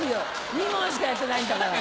２問しかやってないんだから！